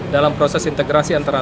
dalam proses integrasi antara